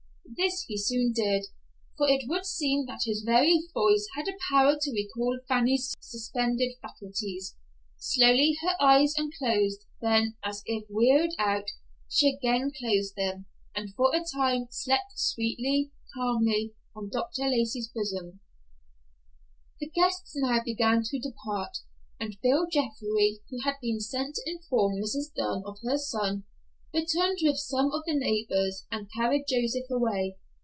This he soon did, for it would seem that his very voice had a power to recall Fanny's suspended faculties. Slowly her eyes unclosed; then, as if wearied out, she again closed them, and for a time slept sweetly, calmly, on Dr. Lacey's bosom. The guests now began to depart, and Bill Jeffrey, who had been sent to inform Mrs. Dunn of her son, returned with some of the neighbors, and carried Joseph away.